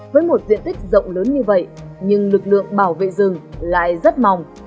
với một diện tích rộng lớn như vậy nhưng lực lượng bảo vệ rừng lại rất mong